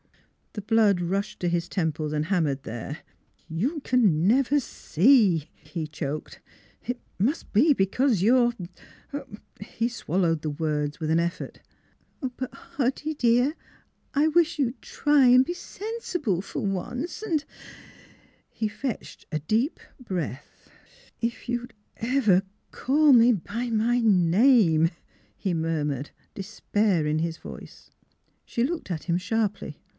The blood rushed to his temples and ham mered there. " You you never can see," he choked. " It must be because you are " He swallowed his wqfds with an effort. " But, Hoddy dear, I wish you'd try an' be sensible, for once, an* " He fetched a deep breath. NEIGHBORS 345 " If you'd ever call me by my name," he mur mured, despair in his voice. She looked at him sharply.